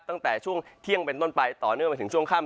ตั้งแต่ช่วงเที่ยงเป็นต้นไปต่อเนื่องไปถึงช่วงค่ำ